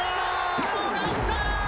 プノーがいった！